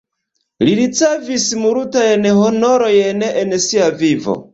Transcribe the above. Li ricevis multajn honorojn en sia vivo.